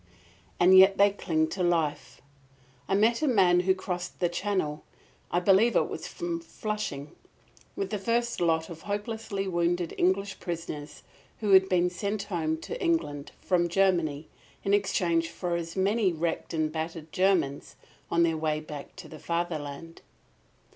And yet they cling to life. I met a man who crossed the Channel I believe it was from Flushing with the first lot of hopelessly wounded English prisoners who had been sent home to England from Germany in exchange for as many wrecked and battered Germans on their way back to the Fatherland.